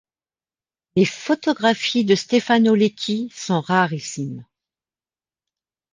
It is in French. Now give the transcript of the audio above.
Les photographies de Stefano Lecchi sont rarissimes.